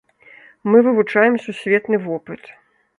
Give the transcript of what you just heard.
Мы вывучаем сусветны вопыт.